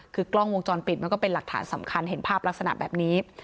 คือกล้องวงจรปิดมันก็เป็นหลักฐานสำคัญเห็นภาพลักษณะแบบนี้